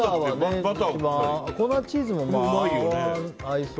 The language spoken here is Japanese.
粉チーズもまあ合いそう。